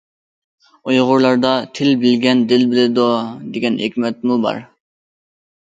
ئۇيغۇرلاردا‹‹ تىل بىلگەن، دىل بىلىدۇ›› دېگەن ھېكمەتمۇ بار.